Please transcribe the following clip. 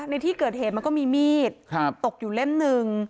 ในที่เกิดเหตุมันก็มีมีดตกอยู่เล่มหนึ่ง